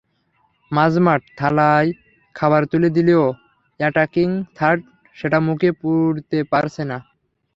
মাঝমাঠ থালায় খাবার তুলে দিলেও অ্যাটাকিং থার্ড সেটা মুখে পুরতে পারছে না।